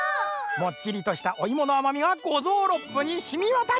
もっちりとしたおいものあまみがごぞうろっぷにしみわたる。